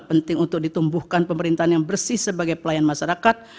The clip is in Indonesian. penting untuk ditumbuhkan pemerintahan yang bersih sebagai pelayan masyarakat